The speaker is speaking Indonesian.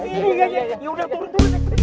ya udah turun dulu deh